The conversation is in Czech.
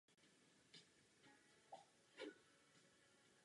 Samotný mechanismus závisí na typu reaktoru.